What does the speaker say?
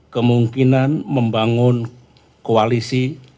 kemungkinan membangun koalisi